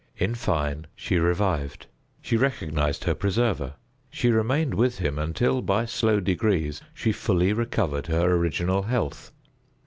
In fine, she revived. She recognized her preserver. She remained with him until, by slow degrees, she fully recovered her original health.